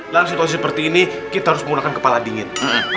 dalam situasi seperti ini kita harus menggunakan kepala dingin